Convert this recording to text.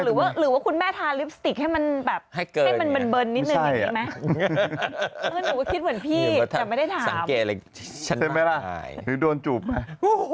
หรือว่าคุณแม่ทานลิปสติกให้มันแบบให้จ๋านแบ่งนิดหนึ่ง